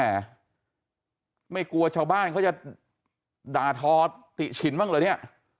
แล้วเขาไม่